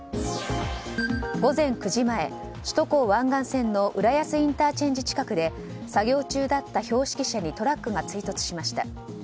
午前９時前、首都高湾岸線の浦安ＩＣ近くで作業中だった標識車にトラックが追突しました。